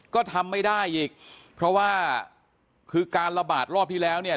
ก็ทำไม่ได้อีกเพราะว่าคือการระบาดรอบที่แล้วเนี่ย